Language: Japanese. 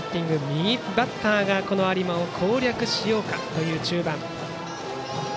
右バッターが有馬を攻略しようかという中盤。